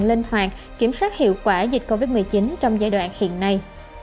linh hoạt kiểm soát hiệu quả dịch covid một mươi chín trong giai đoạn hiện nay